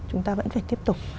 chúng ta vẫn phải tiếp tục